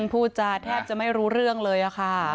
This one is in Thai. พูดจาแทบจะไม่รู้เรื่องเลยค่ะ